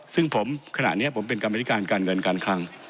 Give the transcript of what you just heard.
ซึ่งผมขณะนี้ผมเป็นกรรมธิการการเงินการคลัง